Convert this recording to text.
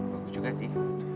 bagus juga sih